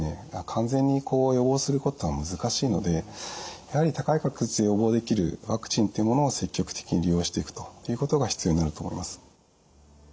完全に予防することは難しいのでやはり高い確率で予防できるワクチンっていうものを積極的に利用していくということが必要になると思います。